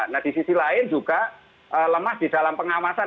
nah di sisi lain juga lemah di dalam pengawasan